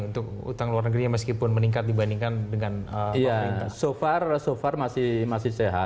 untuk utang luar negeri meskipun meningkat dibandingkan dengan pemerintah